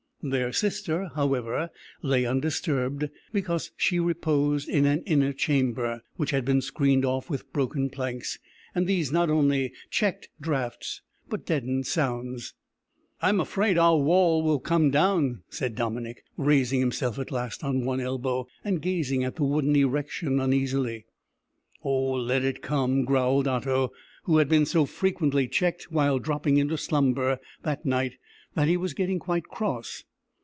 Their sister, however, lay undisturbed, because she reposed in an inner chamber, which had been screened off with broken planks, and these not only checked draughts, but deadened sounds. "I'm afraid our wall will come down," said Dominick, raising himself at last on one elbow, and gazing at the wooden erection uneasily. "Oh, let it come!" growled Otto, who had been so frequently checked while dropping into slumber that night that he was getting quite cross.